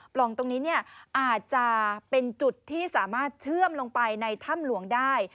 ร่องตรงนี้อาจจะเป็นจุดที่สามารถเชื่อมลงไปในถ้ำหลวงได้